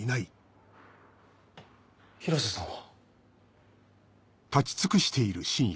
広瀬さんは？